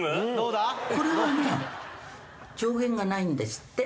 これはね上限がないんですって。